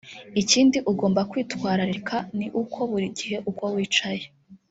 Ikindi ugomba kwitwararika ni uko buri gihe uko wicaye